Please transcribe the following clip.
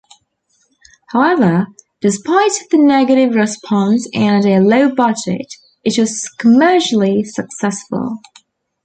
However, despite the negative response and a low budget, it was commercially successful.